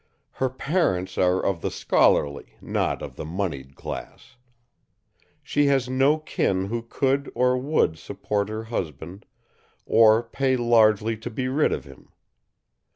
Her parents are of the scholarly, not of the moneyed class. She has no kin who could or would support her husband or pay largely to be rid of him.